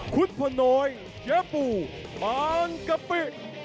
คุณผู้น้อยเจฟูบางกะปิ